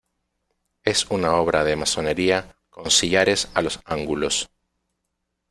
Es una obra de masonería con sillares a los ángulos.